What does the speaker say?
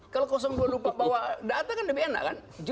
kalau dua lupa bawa data kan lebih enak kan